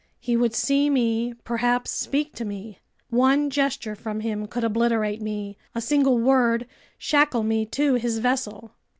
He would see me, perhaps speak to me! One gesture from him could obliterate me, a single word shackle me to his vessel!